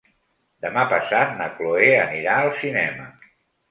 Demà passat na Cloè anirà al cinema.